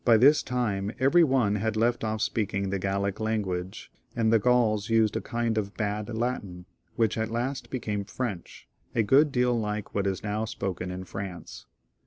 this time every one had left off speaking the Gallic lan guage, and the Ganls used a kind of bad Latin, which at last became French, a good deal like what is now spoken in France.